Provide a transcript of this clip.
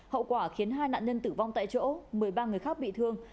hậu quả khiến hai nạn nhân tử vong tại chỗ một mươi ba người khác bị thương